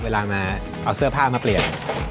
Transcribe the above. เวลามาเอาเสื้อผ้ามาเปลี่ยน